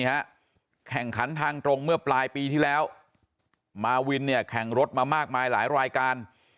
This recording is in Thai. แข่งขันทางตรงเมื่อปลายปีที่แล้วมาวินเนี่ยแข่งรถมามากมายหลายรายการ